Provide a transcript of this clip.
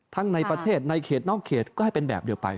ในประเทศในเขตนอกเขตก็ให้เป็นแบบเดียวไป